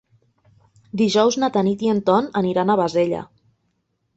Dijous na Tanit i en Ton aniran a Bassella.